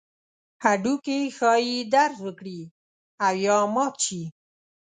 هډوکي ښایي درز وکړي او یا مات شي.